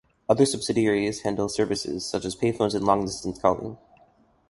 Other subsidiaries handle services such as payphones and long distance calling.